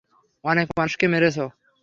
অনেক মানুষকে মেরেছে।